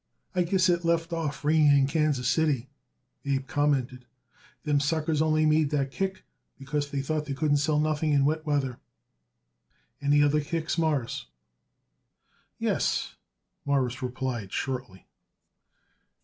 "I guess it left off raining in Kansas City," Abe commented. "Them suckers only made that kick because they thought they couldn't sell nothing in wet weather. Any other kicks, Mawruss?" "Yes," Morris replied shortly.